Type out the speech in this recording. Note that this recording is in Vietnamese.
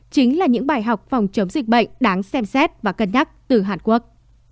chính là những bài học phòng chống dịch bệnh đáng xem xét và cân nhắc từ hàn quốc